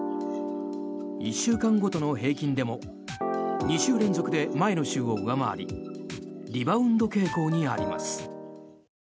１週間ごとの平均でも２週連続で前の週を上回りリバウンド傾向にあります。